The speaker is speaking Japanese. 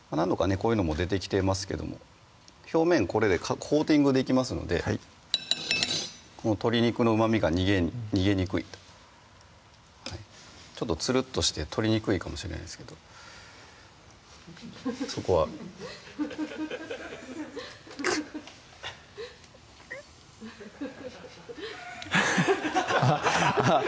こういうのも出てきてますけども表面これでコーティングできますのでこの鶏肉のうまみが逃げにくいとちょっとつるっとしてとりにくいかもしれないですけどそこはクッフフッあっあっ